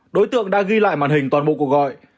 đối tượng đã ghi lại màn hình toàn bộ cuộc gọi